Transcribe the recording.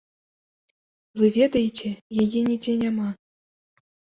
Вы ведаеце, яе нідзе няма.